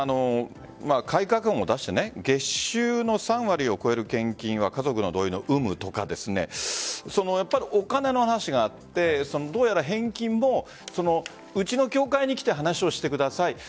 改革案も出して月収の３割を超える献金は家族の同意の有無とかお金の話があってどうやら返金もうちの教会に来て話をしてください。